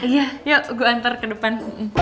iya yuk gue antar ke depan